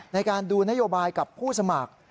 ในการดูนโยบายกับผู้สมัคร